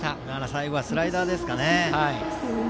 最後はスライダーですかね。